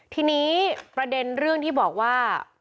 ทีนี้ประเด็นเรื่องที่บอกว่า